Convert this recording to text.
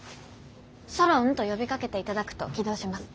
ソロンと呼びかけていただくと起動します。